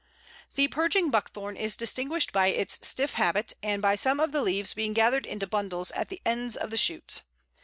The Purging Buckthorn is distinguished by its stiff habit, and by some of the leaves being gathered into bundles at the ends of the shoots.